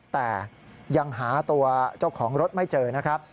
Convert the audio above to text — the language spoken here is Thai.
แต่ยังหาตัวเจ้าของรถไม่เจอนะครับ